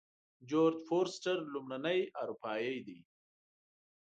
جورج فورسټر لومړنی اروپایی دی.